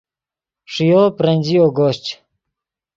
ݰییو برنجییو گوشچ